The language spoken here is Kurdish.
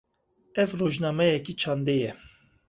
Ev, rojnameyeke çandê ye.